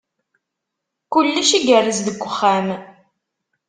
Kullec igerrez deg uxxam.